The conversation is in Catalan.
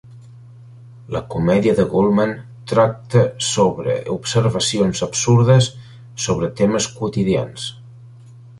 La comèdia de Gulman tracta sobre observacions absurdes sobre temes quotidians.